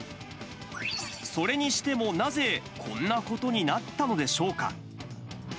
それにしても、なぜこんなことになったのでしょうか。